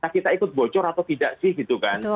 kita ikut bocor atau tidak sih gitu kan